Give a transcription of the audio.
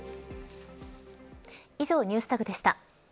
以上、ＮｅｗｓＴａｇでした。